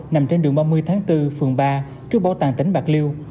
nằm trên đường ba mươi tháng bốn phường ba trước bảo tàng tỉnh bạc liêu